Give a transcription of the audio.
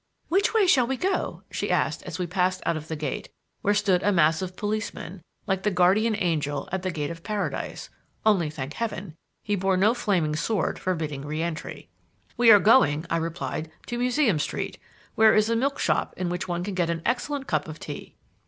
"Which way shall we go?" she asked as we passed out of the gate, where stood a massive policeman, like the guardian angel at the gate of Paradise (only, thank Heaven! he bore no flaming sword forbidding re entry). "We are going," I replied, "to Museum Street, where is a milkshop in which one can get an excellent cup of tea."